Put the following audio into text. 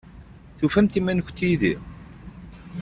Tufamt iman-nkent yid-i?